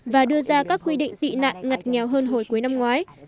và đưa ra các quy định tị nạn ngặt nghèo hơn hồi cuối năm ngoái